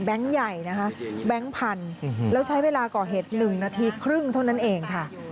ใหญ่นะคะแบงค์พันธุ์แล้วใช้เวลาก่อเหตุ๑นาทีครึ่งเท่านั้นเองค่ะ